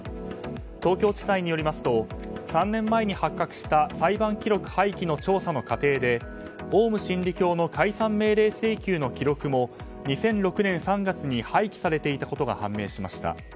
東京地裁によりますと３年前に発覚した裁判記録廃棄の調査の過程でオウム真理教の解散命令請求の記録も２００６年３月に廃棄されていたことが判明しました。